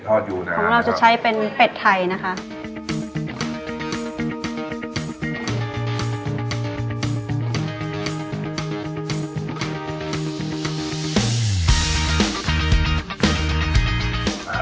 ของเราจะใช้เป็นเป็ดไทยนะคะ